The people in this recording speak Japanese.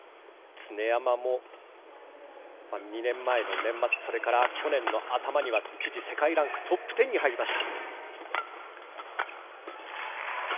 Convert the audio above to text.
常山も２年前の年末それから去年の頭には世界ランクトップ１０に入りました。